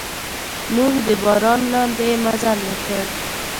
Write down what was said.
موږ د باران لاندې مزل وکړ.